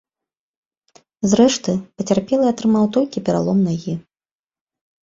Зрэшты, пацярпелы атрымаў толькі пералом нагі.